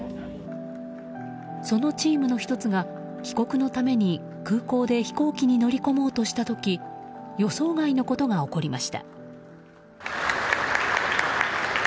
そのチームの１つが帰国のために空港で飛行機に乗り込もうとした時予想外のことが起こりました。